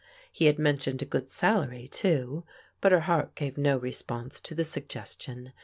He had mentioned a good salary, too, but her heart gave no response to the suggestion.